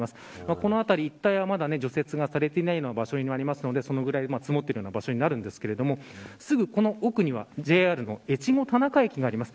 この辺り一帯は、まだ除雪がされてない場所になるのでそのぐらい積もっている場所になりますがすぐこの奥にはＪＲの越後田中駅があります。